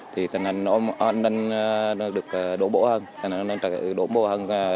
thì tình hình an ninh được đổ bộ hơn tình hình an ninh trật tự đổ bộ hơn